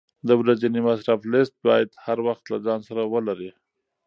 د ورځني مصرف لیست باید هر وخت له ځان سره ولرې.